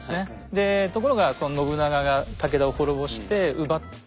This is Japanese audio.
でところが信長が武田を滅ぼして奪った。